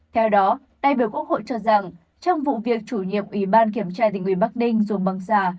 theo đó đại biểu quốc hội cho rằng trong vụ việc chủ nhiệm ủy ban kiểm tra tình huy bắc ninh dùng bằng giả